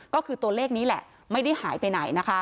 ก็คือตัวเลขนี้แหละไม่ได้หายไปไหนนะคะ